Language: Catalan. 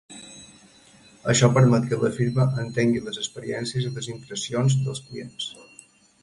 Això permet que la firma entengui les experiències i les impressions dels clients.